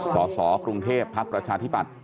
สสกรุงเทพภักดิ์ประชาธิปัตย